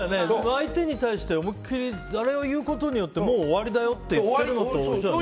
相手に対して思いっきりあれを言うことによって終わりだよって言ってるのと一緒だよね。